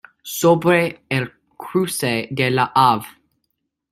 Sobre el cruce de la "Av.